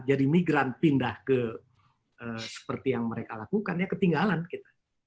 jadi migran pindah ke seperti yang mereka lakukan ya ketinggalan kita